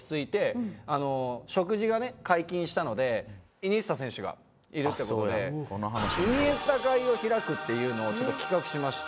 イニエスタ選手がいるって事でイニエスタ会を開くっていうのをちょっと企画しまして。